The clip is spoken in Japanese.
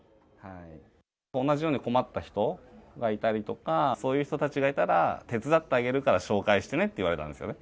同じように困った人がいたりとか、そういう人たちがいたら、手伝ってあげるから紹介してねって言われたんですよね。